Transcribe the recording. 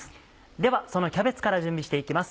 ではそのキャベツから準備して行きます。